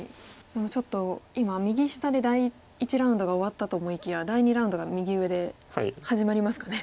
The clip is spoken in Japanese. でもちょっと今右下で第１ラウンドが終わったと思いきや第２ラウンドが右上で始まりますかね。